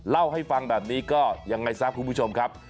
เล่าให้ฟังแบบนี้ก็ยังไงซะคุณผู้ชมครับ